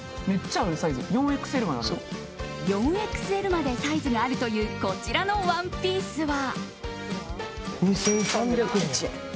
４ＸＬまでサイズがあるというこちらのワンピースは。